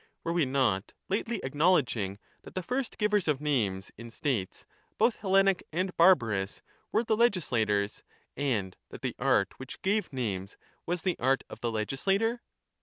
AVere we not lately acknowledging that the first givers of names in states, both Hellenic and barbarous, were the legislators, and that the art which gave names was the art of the legislator